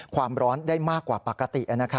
ความร้อนได้มากกว่าปกติ